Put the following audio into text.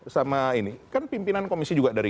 sama ini kan pimpinan komisi juga dari